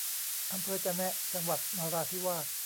อำเภอจะแนะ จังหวัดนราธิวาส